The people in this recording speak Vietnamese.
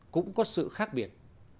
cũng có sự khác biệt